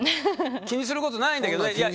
気にすることないんだけどいや